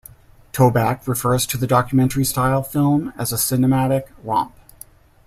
Toback refers to the documentary style film as a cinematic romp.